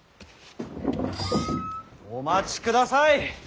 お待ちください！